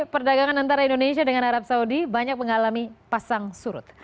perdagangan antara indonesia dengan arab saudi banyak mengalami pasang surut